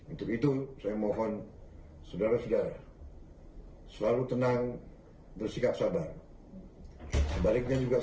untuk itu saya mohon saudara saudara selalu tenang bersikap sabar sebaliknya juga